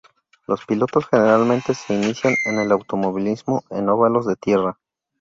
Los pilotos generalmente se inician en el automovilismo en óvalos de tierra.